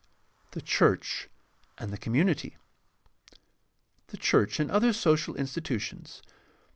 7. THE CHURCH AND THE COMMUNITY The church and other social institutions.